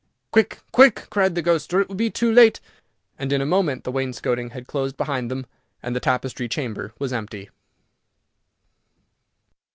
"Quick, quick," cried the Ghost, "or it will be too late," and in a moment the wainscoting had closed behind them, and the Tapestry Chamber was empty.